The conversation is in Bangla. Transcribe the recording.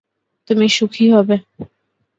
তুমি সুখী হবে।